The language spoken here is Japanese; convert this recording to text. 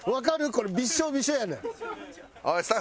これびしょびしょやねん。